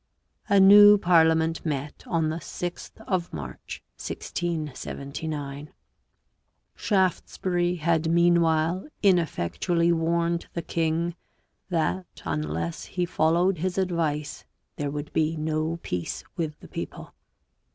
A new parlia ment met on the 6th of March 1679. Shaftesbury had meanwhile ineffectually warned the king that unless he followed his advice there would be no peace with the people.